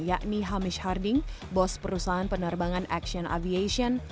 yakni hamish harding bos perusahaan penerbangan action aviation